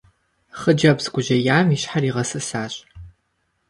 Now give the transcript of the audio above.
Хъыджэбз гужьеям и щхьэр игъэсысащ.